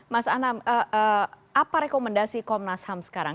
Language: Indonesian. mas anam apa rekomendasi komnas ham sekarang